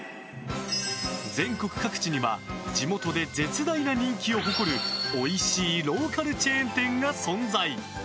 全国各地には地元で絶大な人気を誇るおいしいローカルチェーン店が存在。